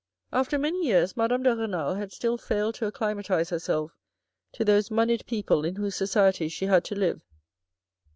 After many years, Madame de Renal had still failed to acclimatize herself to those monied people in whose society she had to live.